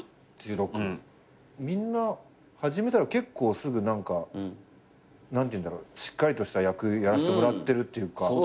みんな始めたら結構すぐしっかりとした役やらせてもらってるっていうか。